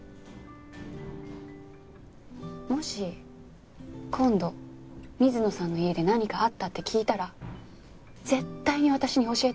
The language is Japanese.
もし今度水野さんの家で何かあったって聞いたら絶対に私に教えてください。